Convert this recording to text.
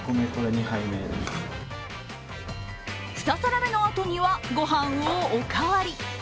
２皿目のあとには、ご飯をおかわり。